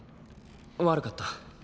悪かった。